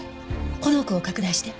この奥を拡大して。